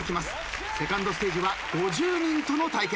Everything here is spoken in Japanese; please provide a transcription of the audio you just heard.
セカンドステージは５０人との対決。